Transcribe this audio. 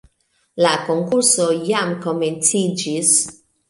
La konkurso jam komenciĝis